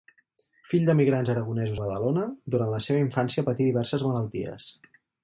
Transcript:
Fill d'emigrants aragonesos a Badalona, durant la seva infància patí diverses malalties.